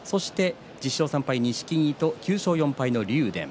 １０勝３敗の錦木と９勝４敗の竜電。